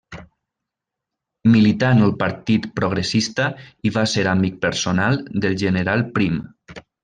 Milità en el Partit Progressista i va ser amic personal del general Prim.